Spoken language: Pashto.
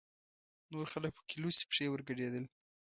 نور خلک پکې لوڅې پښې ورګډېدل.